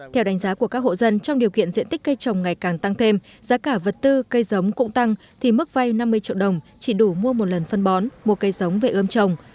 theo đánh giá của các hộ dân trong điều kiện diện tích cây trồng ngày càng tăng thêm giá cả vật tư cây giống cũng tăng thì mức vay năm mươi triệu đồng chỉ đủ mua một lần phân bón mua cây giống về ươm trồng